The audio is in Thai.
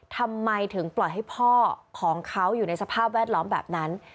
ทำไมถึงปล่อยให้พ่อของเขาอยู่ในสภาพแวดล้อมแบบนั้น